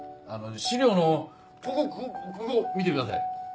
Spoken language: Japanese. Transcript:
資料のここここ見てください。